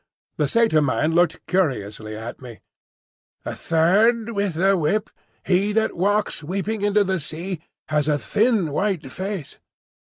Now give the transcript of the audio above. The Satyr man looked curiously at me. "The Third with the Whip, he that walks weeping into the sea, has a thin white face."